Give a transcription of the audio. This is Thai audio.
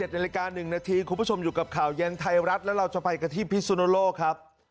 ๑นาฬิกา๑นาทีคุณผู้ชมอยู่กับข่าวเย็นไทยรัฐแล้วเราจะไปกันที่พิสุนโลกครับ